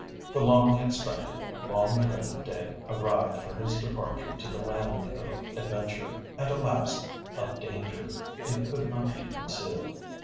The long expected, long dreaded day arrived for his departure to the land of adventure, and, alas! of danger—it could not be concealed.